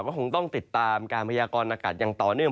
ก็คงต้องติดตามการพยากรณากาศอย่างต่อเนื่อง